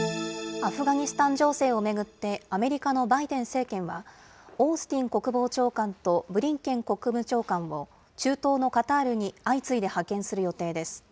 アフガニスタン情勢を巡って、アメリカのバイデン政権は、オースティン国防長官とブリンケン国務長官を、中東のカタールに相次いで派遣する予定です。